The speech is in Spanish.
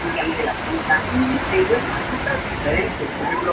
Actualmente se conserva en el Museo Metropolitano de Arte, Nueva York.